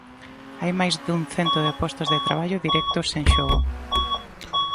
Hai máis dun cento de postos de traballo directos en xogo.